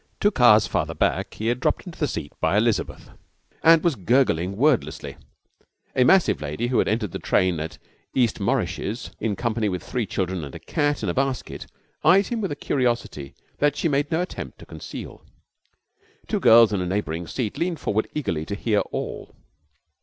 Two cars farther back he had dropped into the seat by Elizabeth and was gurgling wordlessly. A massive lady, who had entered the train at East Moriches in company with three children and a cat in a basket, eyed him with a curiosity that she made no attempt to conceal. Two girls in a neighbouring seat leaned forward eagerly to hear all.